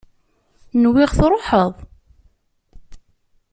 Nwiɣ truḥeḍ.